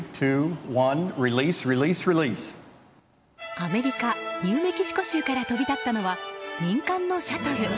アメリカニューメキシコ州から飛び立ったのは民間のシャトル。